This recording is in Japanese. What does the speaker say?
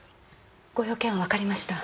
ご用件はわかりました。